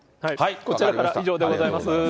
こちらからは以上でございます。